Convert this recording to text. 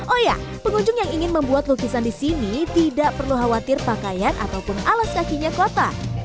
oh ya pengunjung yang ingin membuat lukisan di sini tidak perlu khawatir pakaian ataupun alas kakinya kota